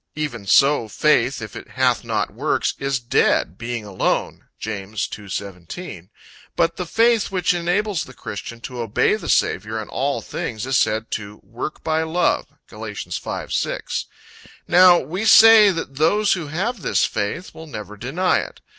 "Even so faith, if it hath not works, is dead, being alone." (James 2: 17.) But the faith which enables the christian to obey the Saviour in all things, is said to "work by love." (Gal. 5: 6.) Now we say that those who have this faith, will never deny it.